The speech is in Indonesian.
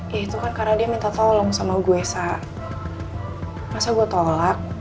ya itu kan karena dia minta tolong sama gue esa masa gue tolak